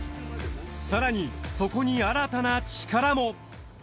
更にそこに新たな力も。